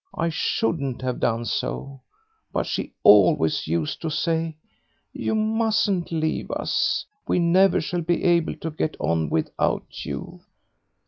I shouldn't have done so, but she always used to say, 'You mustn't leave us; we never shall be able to get on without you.'"